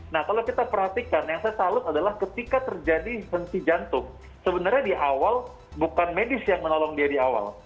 nah kalau kita perhatikan yang saya salut adalah ketika terjadi henti jantung sebenarnya di awal bukan medis yang menolong dia di awal